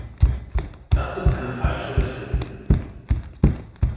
Das ist eine falsche Richtung.